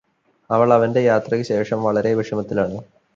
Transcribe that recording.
അവൾ അവന്റെ യാത്രക്ക് ശേഷം വളരെ വിഷമത്തിലാണ്